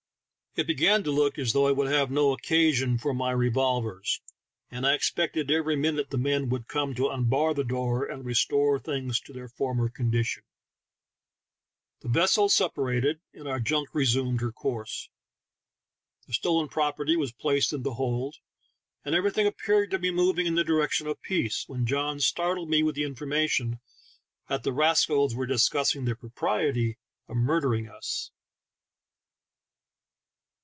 It began to look as though I would have no occasion for my revolvers, and I expected every minute the men would come to unbar the door and restore things to their former condition . The vessels separated, and our junk resumed her course. The stolen property was placed in the hold, and every thing appeared to be moving in the direction of peace, when John startled me with the informa tion that the rascals were discussing the propriety of murdering us